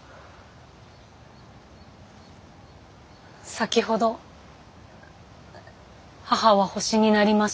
先ほど母は星になりました。